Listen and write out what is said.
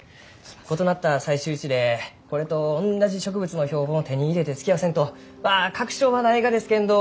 異なった採集地でこれとおんなじ植物の標本を手に入れて突き合わせんとまあ確証はないがですけんど。